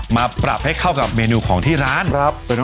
มาปรับให้เข้ากับเมนูของที่ร้านครับ